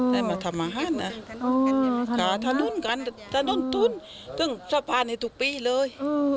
ได้มาทำอาหารถนนกันถนนทุนสะพานให้ทุกปีเลย